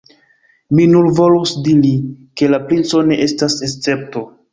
Mi nur volus diri, ke la princo ne estas escepto.